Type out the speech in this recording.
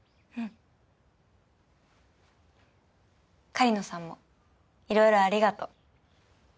狩野さんもいろいろありがとう。